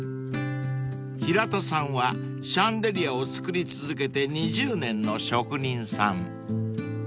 ［平田さんはシャンデリアを作り続けて２０年の職人さん］